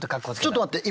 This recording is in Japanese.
ちょっと待って！